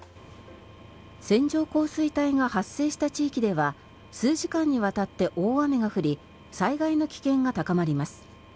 線状降水帯が発生した地域では数時間にわたって大雨が降り災害の危険が高まります。